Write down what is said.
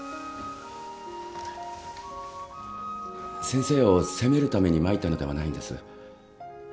先生を責めるために参ったのではないんです。